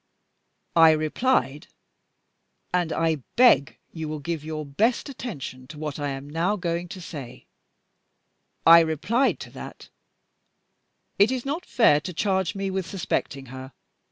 I replied and I beg you will give your best attention to what I am now going to say I replied to that, 'It is not fair to charge me with suspecting her.